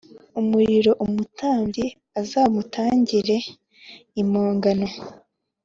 Umuriro Umutambyi Azamutangire Impongano